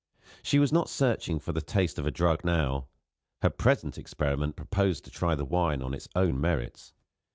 She was not searching for the taste of a drug now; her present experiment proposed to try the wine on its own merits.